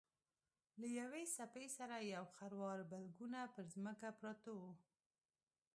له یوې څپې سره یو خروار بلګونه پر ځمکه پراته وو.